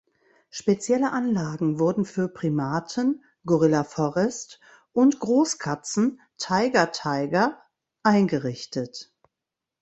Spezielle Anlagen wurden für Primaten ("Gorilla Forest") und Großkatzen ("Tiger Taiga") eingerichtet.